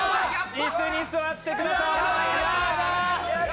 椅子に座ってください。